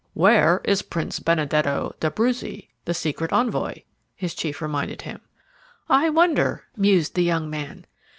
"Where is Prince Benedetto d'Abruzzi, the secret envoy?" his chief reminded him. "I wonder!" mused the young man.